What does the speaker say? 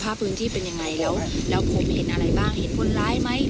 สภาพพื้นที่เป็นอย่างไรแล้ว